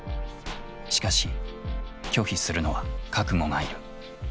しかし拒否するのは覚悟がいる。